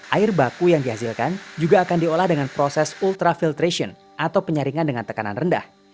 air baku yang dihasilkan juga akan diolah dengan proses ultra filtration atau penyaringan dengan tekanan rendah